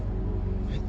えっ？